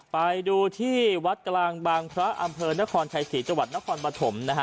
ไปดูที่วัดกลางบางพระอำเภอนครชัยศรีจังหวัดนครปฐมนะฮะ